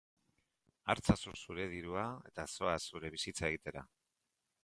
Hartzazu zure dirua, eta zoaz zure bizitza egitera.